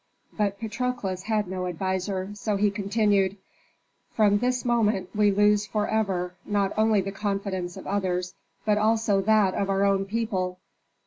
But Patrokles had no adviser, so he continued, "From this moment we lose forever, not only the confidence of others, but also that of our own people.